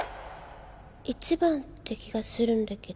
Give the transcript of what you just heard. １番って気がするんだけど。